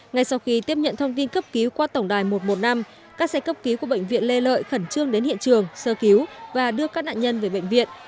ngay sau khi tiếp nhận thông tin cấp cứu qua tổng đài một trăm một mươi năm các xe cấp cứu của bệnh viện lê lợi khẩn trương đến hiện trường sơ cứu và đưa các nạn nhân về bệnh viện